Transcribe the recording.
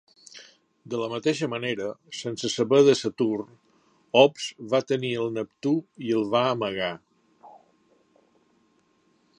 De la mateixa manera, sense saber de Saturn, OPS va tenir el Neptú i el va amagar.